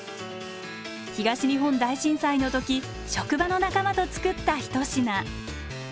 東日本大震災の時職場の仲間と作った一品。